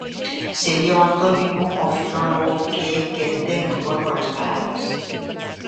Sería o antónimo ao filólogo, que é quen ten amor polas palabras.